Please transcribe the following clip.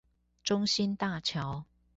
中興大橋